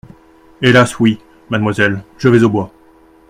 Hélas, oui ! mademoiselle ! je vais au bois !